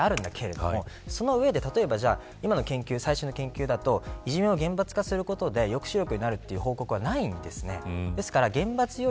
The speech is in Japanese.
それはみんな共通する話題としてあるんだけれどもその上で、例えば今の研究だといじめを厳罰化することで抑止力になるという報告はないんですね。